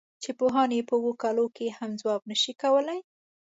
چې پوهان یې په اوو کالو کې هم ځواب نه شي کولای.